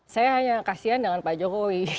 saya hanya kasihan dengan pak jokowi